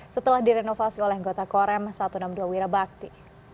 setelah direnovasi oleh anggota korem satu ratus enam puluh dua wirabakti